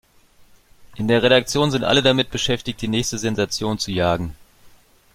In der Redaktion sind alle damit beschäftigt, die nächste Sensation zu jagen.